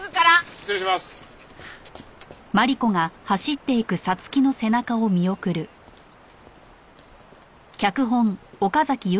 失礼します。